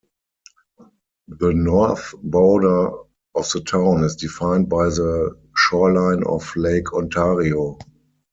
The north border of the town is defined by the shoreline of Lake Ontario.